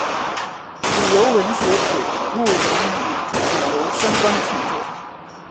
旅游文学指内容与旅游相关的创作。